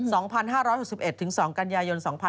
๒๕๖๑ถึง๒กันยายน๒๕๖๑ค่ะ